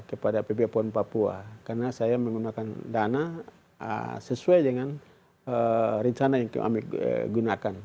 karena saya menggunakan dana sesuai dengan rencana yang kami gunakan